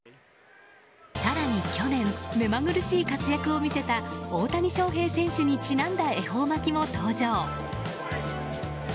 更に去年、目まぐるしい活躍を見せた大谷翔平選手にちなんだ恵方巻きも登場。